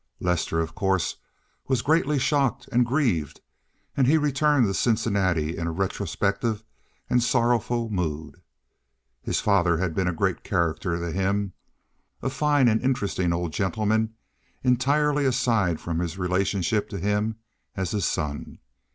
Lester, of course, was greatly shocked and grieved, and he returned to Cincinnati in a retrospective and sorrowful mood. His father had been a great character to him—a fine and interesting old gentleman entirely aside from his relationship to him as his son.